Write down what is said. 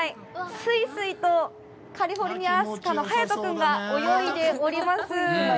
すいすいとカリフォルニアアシカのハヤト君が泳いでおります。